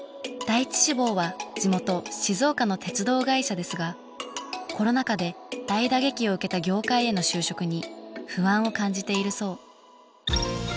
第１志望は地元静岡の鉄道会社ですがコロナ禍で大打撃を受けた業界への就職に不安を感じているそう。